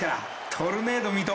トルネード三笘！